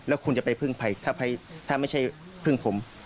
แล้วคุณจะไปพึ่งภัยถ้าไม่ใช่พึ่งผม